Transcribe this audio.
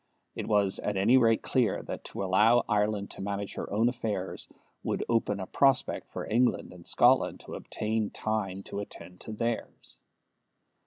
It was, at any rate, clear that to allow Ireland to manage her own affairs would open a prospect for England and Scotland to obtain time to attend to theirs.